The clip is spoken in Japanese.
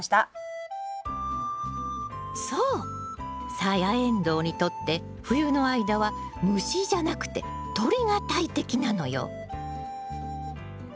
サヤエンドウにとって冬の間は虫じゃなくて鳥が大敵なのよ。